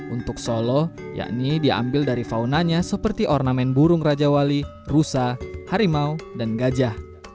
untuk solo yakni diambil dari faunanya seperti ornamen burung raja wali rusa harimau dan gajah